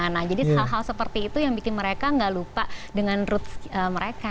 nah jadi hal hal seperti itu yang bikin mereka gak lupa dengan roots mereka